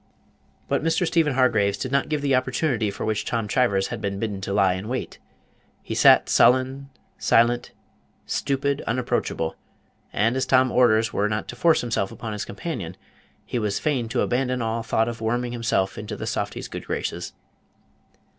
But Mr. Stephen Hargraves did not give the opportunity for which Tom Chivers had been bidden to lie in wait; he sat sullen, silent, stupid, unapproachable; and as Tom's orders were not to force himself upon his companion, he was fain to abandon all thought of worming himself into the softy's good graces.